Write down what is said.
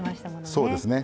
そうですね。